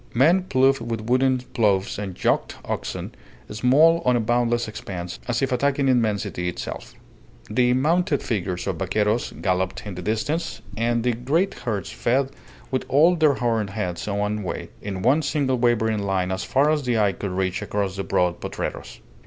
Men ploughed with wooden ploughs and yoked oxen, small on a boundless expanse, as if attacking immensity itself. The mounted figures of vaqueros galloped in the distance, and the great herds fed with all their horned heads one way, in one single wavering line as far as eye could reach across the broad potreros.